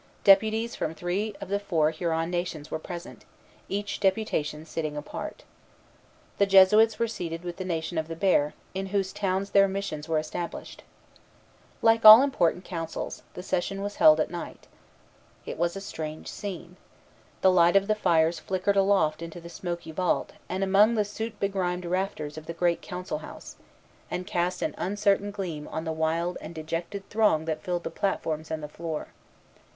Deputies from three of the four Huron nations were present, each deputation sitting apart. The Jesuits were seated with the Nation of the Bear, in whose towns their missions were established. Like all important councils, the session was held at night. It was a strange scene. The light of the fires flickered aloft into the smoky vault and among the soot begrimed rafters of the great council house, and cast an uncertain gleam on the wild and dejected throng that filled the platforms and the floor.